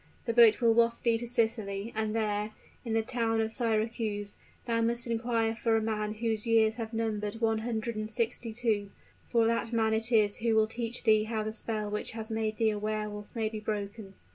The boat will waft thee to Sicily; and there, in the town of Syracuse, thou must inquire for a man whose years have numbered one hundred and sixty two; for that man it is who will teach thee how the spell which has made thee a Wehr Wolf may be broken."